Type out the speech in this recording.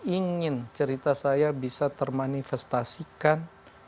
ingin cerita saya bisa termanifestasikan